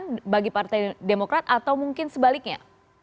apa bagi partai demokrat atau mungkin sebaliknya